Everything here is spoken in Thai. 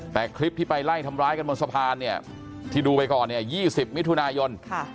แต่คลิปที่ไปไล่ทำร้ายกันบนสะพานเนี่ยที่ดูไปก่อนเนี่ย๒๐มิถุนายน